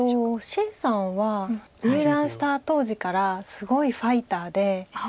謝さんは入段した当時からすごいファイターで。